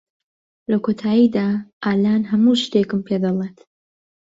لە کۆتاییدا، ئالان هەموو شتێکم پێدەڵێت.